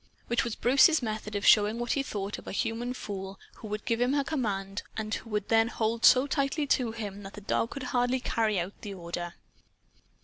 Which was Bruce's method of showing what he thought of a human fool who would give him a command and who would then hold so tightly to him that the dog could hardly carry out the order.